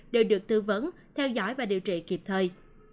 đều được tư vấn theo dõi và điều trị kịp thời